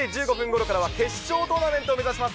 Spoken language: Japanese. ６時１５分ごろから決勝トーナメントを目指します。